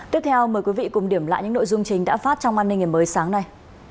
tiếp theo mời quý vị cùng điểm lại những nội dung chính đã phát trong an ninh ngày mới sáng nay